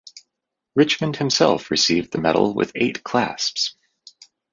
Richmond himself received the medal with eight clasps.